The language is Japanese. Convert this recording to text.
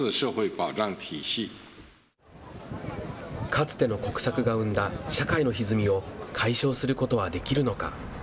かつての国策が生んだ社会のひずみを解消することはできるのか。